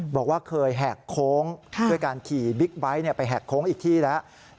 บอกว่าเคยแหกโค้งด้วยการขี่บิ๊กไบท์ไปแหกโค้งอีกที่แล้ว